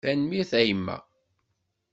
Tanemmirt a yemma.